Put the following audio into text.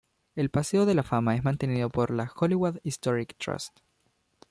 El paseo de la fama es mantenido por la Hollywood Historic Trust.